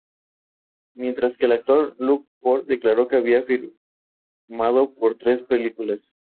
Mientras que el actor Luke Ford declaró que había firmado por tres películas.